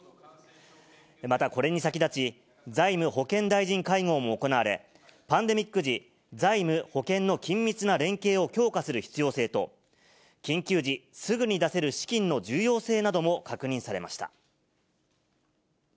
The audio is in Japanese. また、これに先立ち、財務・保健大臣会合も行われ、パンデミック時、財務・保健の緊密な連携を強化する必要性と、緊急時、すぐに出せる資金の重要性なども確認されました。